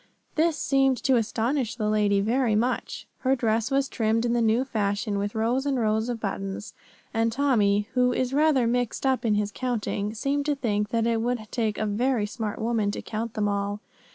This seemed to astonish the lady very much. Her dress was trimmed in the new fashion, with rows and rows of buttons, and Tommy, who is rather mixed up in his counting, seemed to think that it would take a very smart woman to count them all.